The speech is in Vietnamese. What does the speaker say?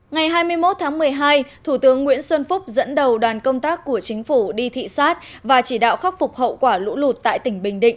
ngày hai mươi một tháng một mươi hai thủ tướng nguyễn xuân phúc dẫn đầu đoàn công tác của chính phủ đi thị xát và chỉ đạo khắc phục hậu quả lũ lụt tại tỉnh bình định